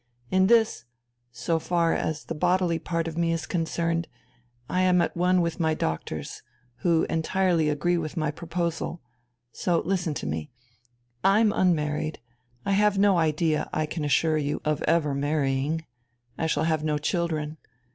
In this so far as the bodily part of me is concerned I am at one with my doctors, who entirely agree with my proposal so listen to me. I'm unmarried. I have no idea, I can assure you, of ever marrying; I shall have no children.